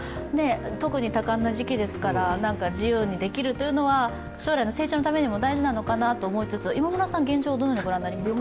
特に多感な時期ですから自由にできるというのは、将来の成長のためにも大事なのかなと感じつつ今村さん、どう感じますか？